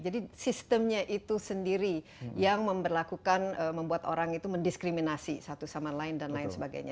jadi sistemnya itu sendiri yang membuat orang itu mendiskriminasi satu sama lain dan lain sebagainya